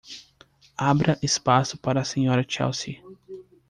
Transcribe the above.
Abra espaço para a Sra. Chelsea.